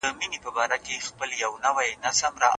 د ظالم لاس ونیسئ.